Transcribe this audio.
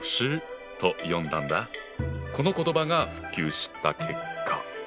この言葉が普及した結果。